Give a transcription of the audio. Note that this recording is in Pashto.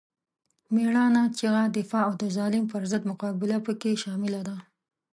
مېړانه، چیغه، دفاع او د ظالم پر ضد مقابله پکې شامله ده.